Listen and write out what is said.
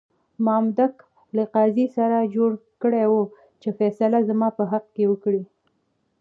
مامدک له قاضي سره جوړه کړې وه چې فیصله زما په حق کې وکړه.